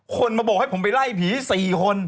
คนมาบอกให้ผมไปไล่ผี๔คน